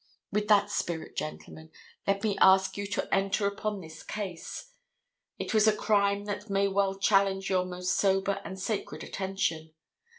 With that spirit, gentlemen, let me ask you to enter upon this case. It was a crime that may well challenge your most sober and sacred attention.